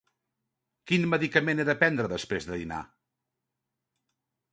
Quin medicament he de prendre després de dinar?